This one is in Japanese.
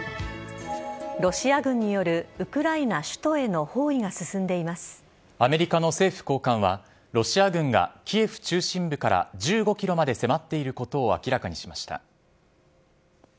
ロシア軍によるウクライナ首都への包囲がアメリカの政府高官はロシア軍がキエフ中心部から１５ｋｍまで迫っていることを明らかにしました。